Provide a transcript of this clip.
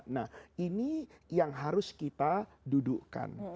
nah ini yang harus kita dudukkan